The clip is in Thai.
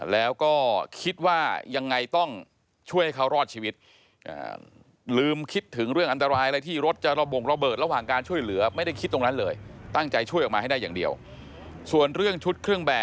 แล้วก็คิดว่ายังไงต้องช่วยให้เขารอดชีวิต